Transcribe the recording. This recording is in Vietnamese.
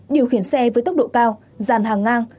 điều khiển xe với tốc độ cao dàn hàng ngang